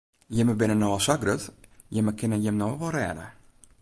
Jimme binne no al sa grut, jimme kinne jim no wol rêde.